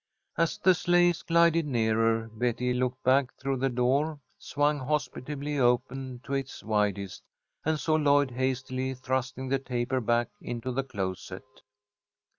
As the sleighs glided nearer, Betty looked back through the door swung hospitably open to its widest, and saw Lloyd hastily thrusting the taper back into the closet.